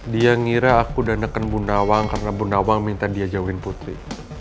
dia ngira aku udah neken bu nawang karena bu nawang minta dia jauhin putri